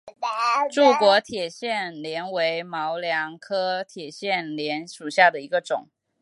柱果铁线莲为毛茛科铁线莲属下的一个种。